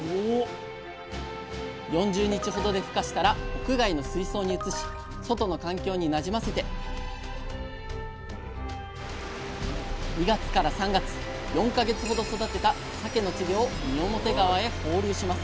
４０日ほどでふ化したら屋外の水槽に移し外の環境になじませて２月から３月４か月ほど育てたさけの稚魚を三面川へ放流します